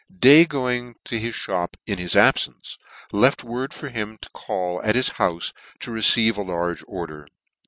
Day going to his mop in his abfence, left word for him to call at his houfe to receive a large order.